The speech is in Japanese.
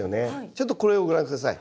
ちょっとこれをご覧下さい。